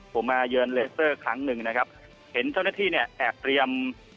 ผมมาเยินเลสเตอร์ครั้งหนึ่งนะครับเห็นเจ้าหน้าที่เนี่ยแอบเตรียม